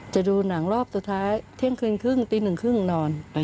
จะดูหนังรอบสุดท้ายเที่ยงคืนครึ่งตีหนึ่งครึ่งนอน